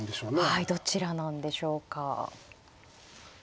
はいどちらなんでしょうか。